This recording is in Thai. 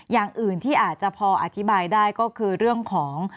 อย่างอื่นที่อาจจะพออธิบายได้ก็คือเรื่องของ